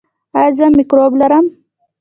ایا زه مکروب لرم؟